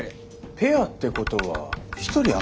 ペアってことは１人余るね。